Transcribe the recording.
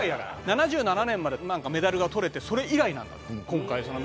７７年までメダルが取れてそれ以来なんだよ。